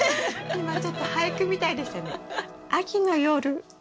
今ちょっと俳句みたいでしたね。